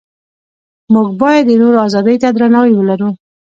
موږ باید د نورو ازادۍ ته درناوی ولرو.